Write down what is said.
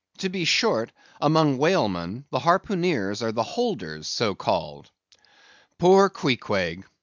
To be short, among whalemen, the harpooneers are the holders, so called. Poor Queequeg!